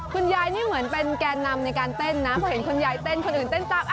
คุณยายนี่เหมือนเป็นแก่นำในการเต้นนะเพราะเห็นคุณยายเต้นคนอื่นเต้นตาม